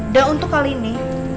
dan untuk kali ini